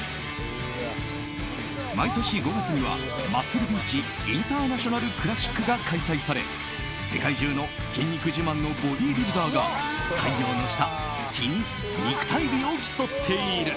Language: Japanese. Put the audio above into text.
毎年５月には、マッスルビーチインターナショナルクラシックが開催され世界中の筋肉自慢のボディービルダーが太陽の下、肉体美を競っている。